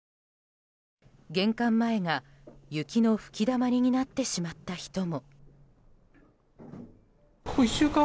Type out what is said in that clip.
玄関前が雪の吹きだまりになってしまった人も。